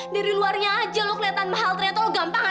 dari luarnya aja lo kelihatan mahal ternyata lo gampang